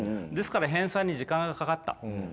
ですから編纂に時間がかかった。